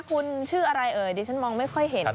คุณชื่ออะไรเอ่อดิฉันไม่ค่อยเห็นนั่น